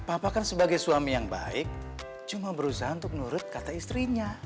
papa kan sebagai suami yang baik cuma berusaha untuk nurut kata istrinya